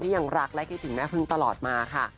ยังรักและคิดถึงแม่พึ่งตลอดมาค่ะ